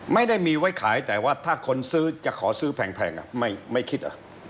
ไม่ได้มีไว้ขายแต่ว่าถ้าคนซื้อจะขอซื้อแพงไม่คิด